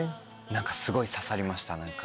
何かすごい刺さりました何か。